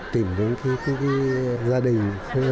tìm đến cái gia đình